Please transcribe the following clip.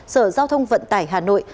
sở giao thông vận tải hà nội